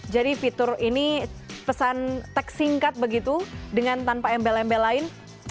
jadi fitur ini pesan text singkat begitu dengan tanpa embel embel lain